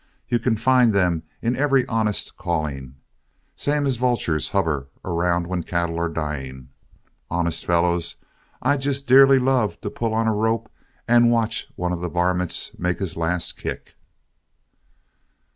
You can find them in every honest calling, same as vultures hover round when cattle are dying. Honest, fellows, I'd just dearly love to pull on a rope and watch one of the varmints make his last kick."